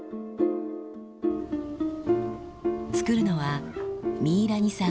作るのはミイラニさん